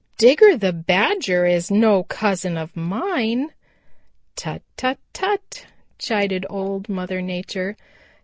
"Digger the Badger is no cousin of mine!" "Tut, tut, tut!" chided Old Mother Nature.